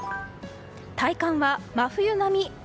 体感は真冬並み。